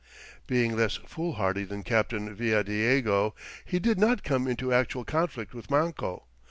Being less foolhardy than Captain Villadiego, he did not come into actual conflict with Manco.